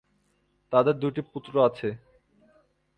তাদের দুটি পুত্র আছে।